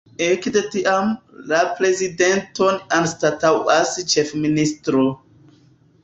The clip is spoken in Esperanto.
Ekde tiam, la prezidenton anstataŭas ĉefministro.